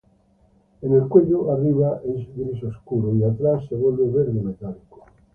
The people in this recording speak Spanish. En el cuello arriba es gris oscuro y atrás se vuelve verde metálico.